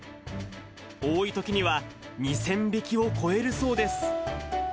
多いときには２０００匹を超えるそうです。